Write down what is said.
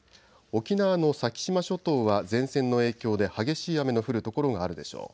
沖縄の先島諸島は前線の影響で激しい雨の降る所があるでしょう。